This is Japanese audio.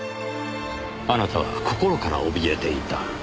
あなたは心からおびえていた。